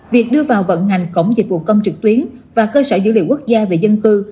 việc đưa vào vận hành cổng dịch vụ công trực tuyến và cơ sở dữ liệu quốc gia về dân cư